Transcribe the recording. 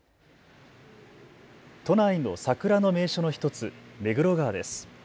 都内の桜の名所の１つ目黒川です。